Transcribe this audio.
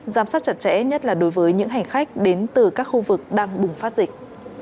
giám sát chặt chẽ nhất là đối với những hành khách đến từ các khu vực đang bùng phát dịch